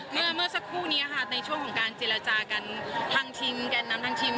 เมื่อเมื่อสักครู่นี้ค่ะในช่วงของการเจรจากันทางทีมแก่นนำทางทีม